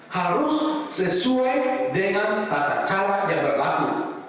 harus sesuai dengan tata cara yang berlaku